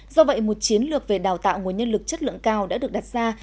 do vậy một chiến lược về đào tạo nguồn nhân lực chất lượng cao đã được đặt ra